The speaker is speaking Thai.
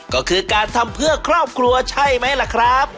ก็คือการทำเพื่อครอบครัวใช่ไหมล่ะครับ